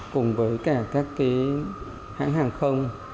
cùng với cả các hãng hàng không